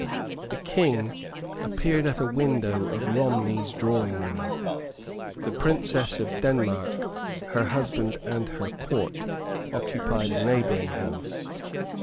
The King appeared at a window of Romney's drawing room. The Princess of Denmark, her husband and her court occupied a neighbouring house.